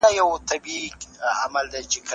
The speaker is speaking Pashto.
د ښځې په شتون کي کورنۍ د یوې مقدسې مدرسې بڼه غوره کوي.